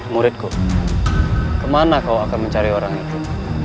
muridku kemana kau akan mencari orang itu